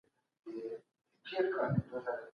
حضوري ټولګي به د بدن ژبي وضاحت وړاندې کړي.